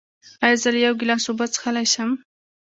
ایا زه له یو ګیلاس اوبه څښلی شم؟